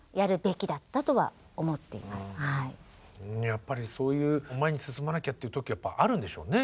やっぱりそういう前に進まなきゃっていう時があるんでしょうね。